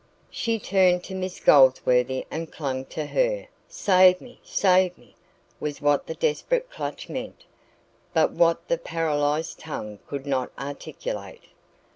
She turned to Miss Goldsworthy and clung to her. "Save me! save me!" was what the desperate clutch meant, but what the paralysed tongue could not articulate.